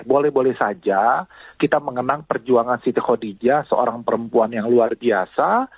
boleh boleh saja kita mengenang perjuangan siti khodijah seorang perempuan yang luar biasa